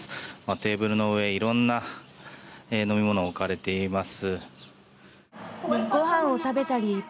テーブルの上色んな飲み物が置かれています。